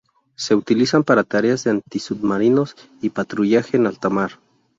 Se utilizan para tareas de antisubmarinos y patrullaje en alta mar.